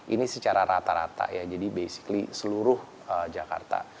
ini secara rata rata ya jadi basically seluruh jakarta